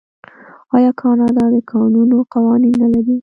آیا کاناډا د کانونو قوانین نلري؟